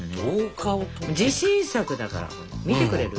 自信作だから見てくれる？